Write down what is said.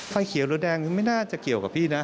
ไฟเขียวหรือแดงไม่น่าจะเกี่ยวกับพี่นะ